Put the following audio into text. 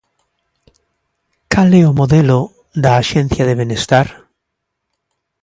¿Cal é o modelo da Axencia de Benestar?